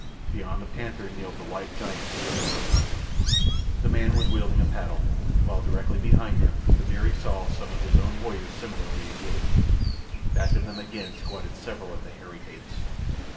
Beyond the panther kneeled the white giant who had overcome him. The man was wielding a paddle, while directly behind him Kaviri saw some of his own warriors similarly engaged. Back of them again squatted several of the hairy apes.